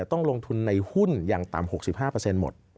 ต้องลงทุนในหุ้นอย่างต่ำ๖๕หมด